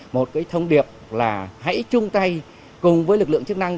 một cái thông điệp là hãy chung tay cùng với lực lượng chức năng